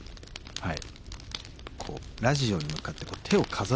はい。